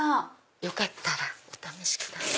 よかったらお試しください。